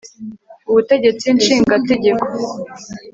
ubutegetsi nshingategeko